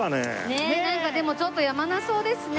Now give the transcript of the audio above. ねえなんかでもちょっとやまなさそうですね。